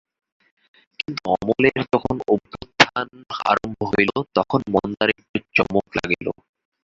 কিন্তু অমলের যখন অভ্যুত্থান আরম্ভ হইল তখন মন্দার একটু চমক লাগিল।